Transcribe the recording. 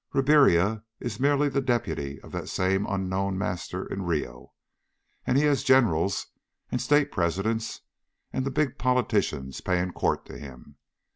Ribiera is merely the deputy of that same unknown Master in Rio, and he has generals and state presidents and the big politicians paying court to him.